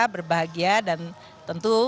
berbahagia dan tentu